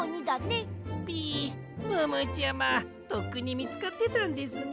ピムームーちゃまとっくにみつかってたんですね。